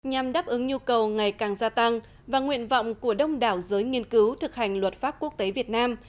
nhằm đáp ứng nhu cầu ngày càng gia tăng và nguyện vọng của đông đảo giới nghiên cứu thực hành luật pháp quốc tế việt nam